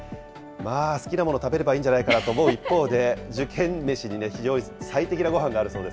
好きなもの食べればいいんじゃないかなと思う一方で、受験メシに非常に最適なごはんがあるそうです。